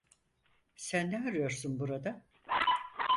Sen ne arıyorsun burada?